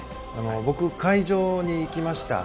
僕、会場に行きました。